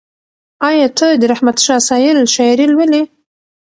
ایا ته د رحمت شاه سایل شاعري لولې؟